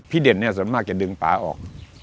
พี่เด่นส่วนมากจะดึงป่าออก